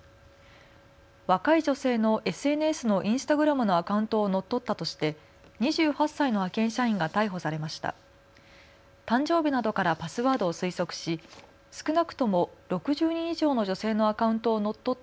若い女性のＳＮＳのインスタグラムのアカウントを乗っ取ったとして２８歳の派遣社員が逮捕されました。